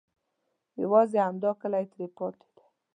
یوازې همدا کلی ترې پاتې دی.